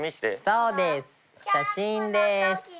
そうです写真です。